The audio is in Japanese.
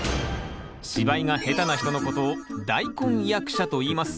芝居が下手な人のことを「大根役者」といいます。